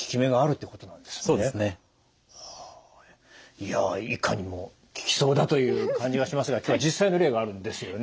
いやいかにも効きそうだという感じがしますが今日は実際の例があるんですよね？